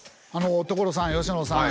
所さん佳乃さん。